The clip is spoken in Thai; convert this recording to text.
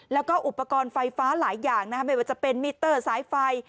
แล้วก็อุปกรณ์ไฟฟ้าหลายอย่างไม่ว่าจะเป็นมิเตอร์สายไฟ